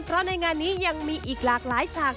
เพราะในงานนี้ยังมีอีกหลากหลายฉาก